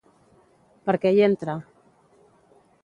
Per què hi entra?